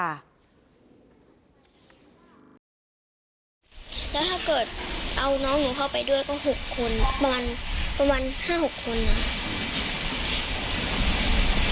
แล้วถ้าเกิดเอาน้องของพ่อไปด้วยก็หกคนประมาณห้าหกคนนะ